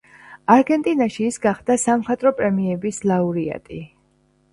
არგენტინაში ის გახდა სამხატვრო პრემიების ლაურეატი.